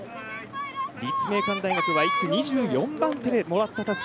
立命館大学は１区２４番手でもらったたすき。